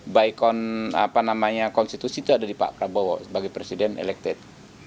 baik konstitusi itu ada di pak prabowo sebagai presiden elected